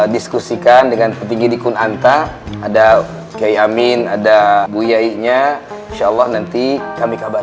diskusikan dengan petinggi di kunanta ada kayamin ada buya ikhnya insyaallah nanti kami kabar